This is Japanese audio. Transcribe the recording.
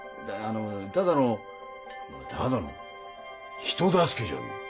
ただのただの人助けじゃけぇ。